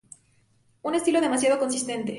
Un estilo demasiado consistente.